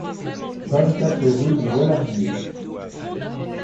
vingt-quatre rue du Relarguier